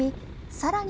さらに